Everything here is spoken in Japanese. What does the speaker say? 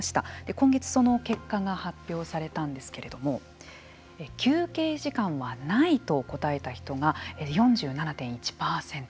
今月その結果が発表されたんですけれども休憩時間はないと答えた人が４７．１％。